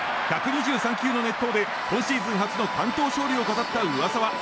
１２３球の熱投で今シーズン初の完投勝利を飾った上沢。